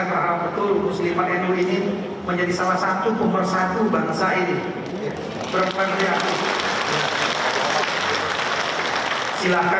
polri ini salah satu lembaga yang terbesar